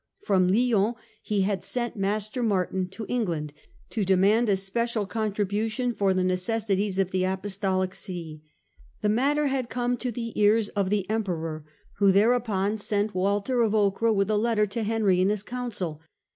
From Lyons he had sent Master Martin to England to demand a special contribution for the necessities of the Apostolic See. The matter had come to the ears of the Emperor, who thereupon sent Walter of Ocra with a letter to Henry and his Council.